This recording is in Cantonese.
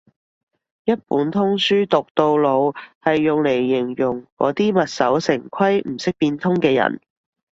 一本通書讀到老係用嚟形容嗰啲墨守成規唔識變通嘅人